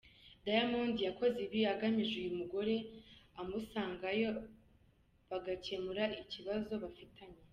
Diamond yakoze ibi agamije ko uyu mugore amusangayo bagakemura ikibazo bafitanye.